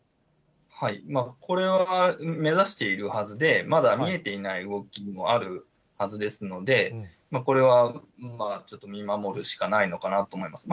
これは、目指しているはずで、まだ見えていない動きもあるはずですので、これはちょっと見守るしかないのかなと思います。